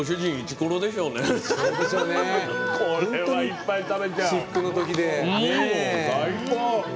これは、いっぱい食べちゃう！